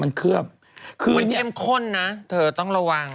มันเข้มข้นนะเธอต้องระวัง